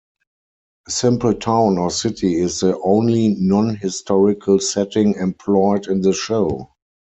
A simple town or city is the only non-historical setting employed in the show.